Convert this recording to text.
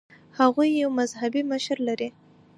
هغوی یو مذهبي مشر لري.